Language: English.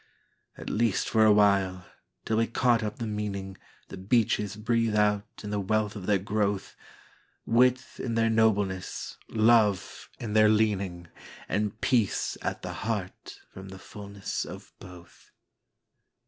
At least for a while, till we caught up the meaningThe beeches breathe out in the wealth of their growth, Width in their nobleness, love in their leaning, And peace at the heart from the fulness of both.